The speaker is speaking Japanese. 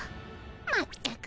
まったく。